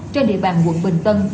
trên địa bàn quận bình tân